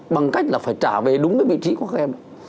bằng cách là phải trả về đúng với vị trí của các em